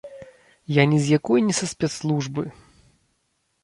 Я ні з якой не са спецслужбы.